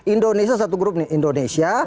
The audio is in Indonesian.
indonesia satu grup nih indonesia